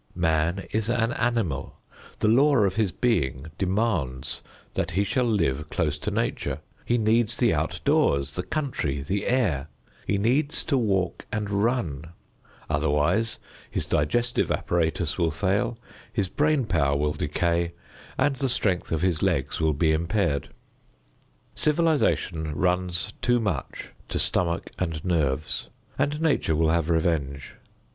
Man is an animal; the law of his being demands that he shall live close to nature; he needs the outdoors, the country, the air; he needs to walk and run; otherwise his digestive apparatus will fail, his brain power will decay, and the strength of his legs will be impaired. Civilization runs too much to stomach and nerves, and Nature will have revenge.